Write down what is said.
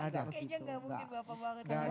kayaknya gak mungkin bapak banget ya